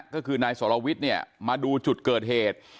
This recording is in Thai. ก็คือนายสรวิทย์เนี่ยมาดูจุดเกิดเหตุ